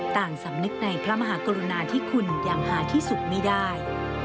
สำนึกในพระมหากรุณาที่คุณอย่างหาที่สุดไม่ได้